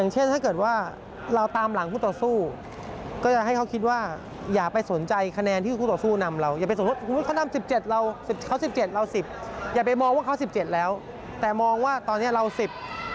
จะทำอย่างไรให้เราถึง๒๑ก่อนครับ